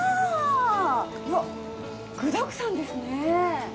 うわっ具だくさんですね。